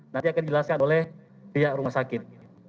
nanti akan dijelaskan oleh pihak rumah sakit